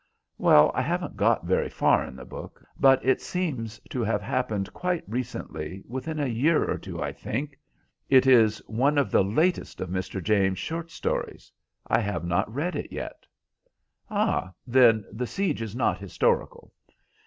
"Well, I haven't got very far in the book yet, but it seems to have happened quite recently, within a year or two, I think. It is one of the latest of Mr. James's short stories. I have not read it yet." "Ah, then the siege is not historical?"